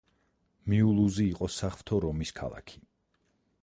მიულუზი იყო საღვთო რომის ქალაქი.